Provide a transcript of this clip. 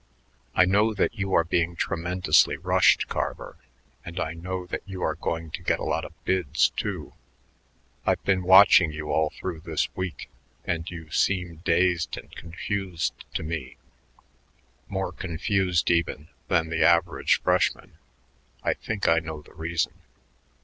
"I know that you are being tremendously rushed, Carver, and I know that you are going to get a lot of bids, too. I've been watching you all through this week, and you seem dazed and confused to me, more confused even than the average freshman. I think I know the reason."